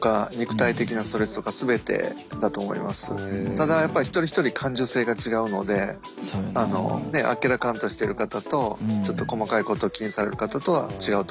ただやっぱリ一人一人感受性が違うのであのあっけらかんとしてる方とちょっと細かいことを気にされる方とは違うと思います。